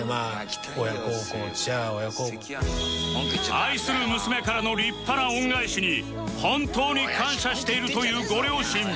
愛する娘からの立派な恩返しに本当に感謝しているというご両親